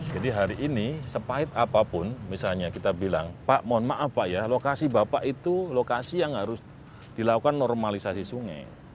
jadi hari ini sepahit apapun misalnya kita bilang pak mohon maaf pak ya lokasi bapak itu lokasi yang harus dilakukan normalisasi sungai